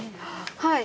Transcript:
はい。